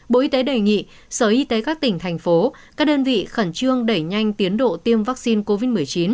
bộ y tế đề nghị sở y tế các tỉnh thành phố các đơn vị khẩn trương đẩy nhanh tiến độ tiêm vaccine covid một mươi chín